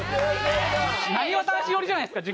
なにわ男子寄りじゃないですか！？